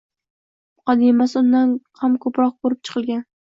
muqaddimasi undan ham ko‘proq ko‘rib chiqilgan.